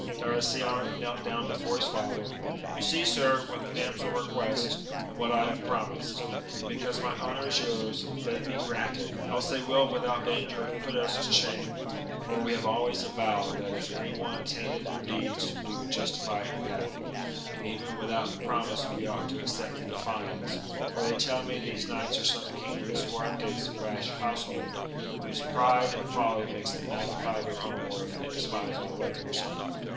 Darasion knelt down before his father; — You see, sir, what the damsel requests, and what I have promised ; and, because my honour is yours, let it be granted, else they will without danger have put us to shame, for we have always avowed that if any one attainted your deeds we would justify it in battle; and even without the promise we ought to accept the de fiance, for they tell me these knights are some of King Lisuarte's rash household, whose pride and folly makes them magnify their own worth and despise all others.